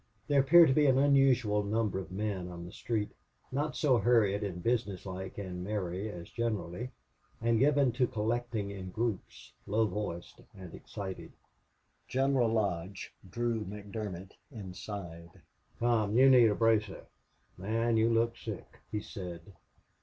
There appeared to be an unusual number of men on the street, not so hurried and business like and merry as generally, and given to collecting in groups, low voiced and excited. General Lodge drew McDermott inside. "Come. You need a bracer. Man, you look sick," he said.